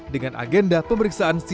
dengan agenda pemeriksaan sid